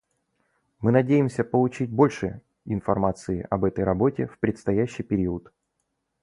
Мы надеемся получить больше информации об этой работе в предстоящий период.